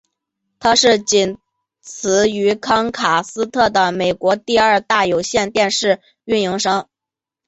它是仅此于康卡斯特的美国第二大有线电视运营商。